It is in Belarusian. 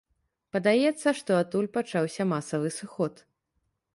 Падаецца, што адтуль пачаўся масавы сыход.